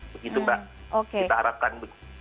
begitu mbak kita harapkan